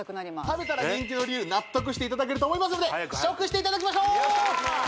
食べたら人気の理由納得していただけると思いますので試食していただきましょう！